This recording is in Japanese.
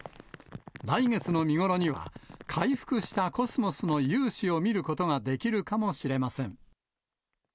来月の見頃には、回復したコスモスの雄姿を見ることができるかもしれません。